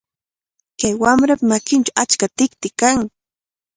Kay wamrapa makinchawmi achka tikti kan.